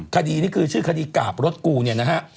คดีนี้คือชื่อคดีกราบรถกูเนี่ยนะฮะ